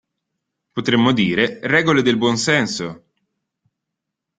Potremmo dire: regole del buon senso!